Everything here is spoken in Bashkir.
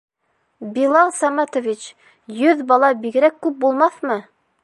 Билал Саматович, йөҙ бала бигерәк күп булмаҫмы?